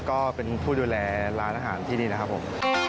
ก็เป็นผู้ดูแลร้านอาหารที่นี่นะครับผม